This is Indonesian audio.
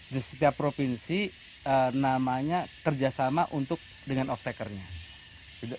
di setiap provinsi namanya kerjasama untuk dengan off takernya